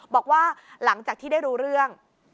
บอกว่าหลังจากที่ได้รู้เรื่อง